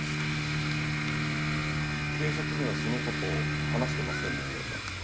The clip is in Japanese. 警察にはその事を話してませんでしたよね？